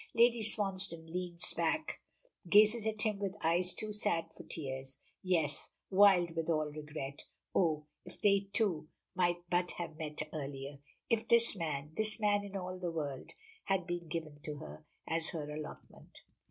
Lady Swansdown leaning back gazes at him with eyes too sad for tears eyes "wild with all regret." Oh! if they two might but have met earlier. If this man this man in all the world, had been given to her, as her allotment.